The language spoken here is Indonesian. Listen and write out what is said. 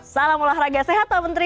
salam olahraga sehat pak menteri